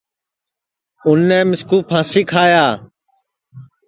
اُنے مِسکُو پھانٚسی کھایا